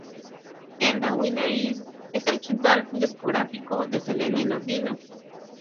And the Winner Is... es el quinto álbum discográfico de Selena y los Dinos.